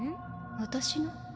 私の？